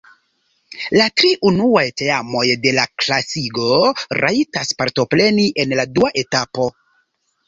La tri unuaj teamoj de la klasigo rajtas partopreni en la dua etapo.